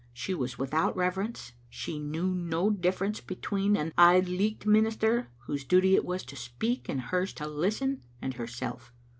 She was without rever ence, she knew no difference between an Auld Licht minister, whose duty it was to speak and hers to listen, and herself.